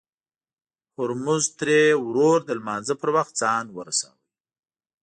هورموز تري ورور د لمانځه پر وخت ځان ورساوه.